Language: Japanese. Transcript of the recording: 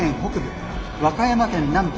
和歌山県南部